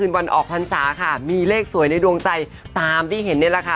วันออกพรรษาค่ะมีเลขสวยในดวงใจตามที่เห็นนี่แหละค่ะ